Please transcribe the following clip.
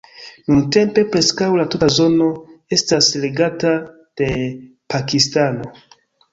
Nuntempe preskaŭ la tuta zono estas regata de Pakistano.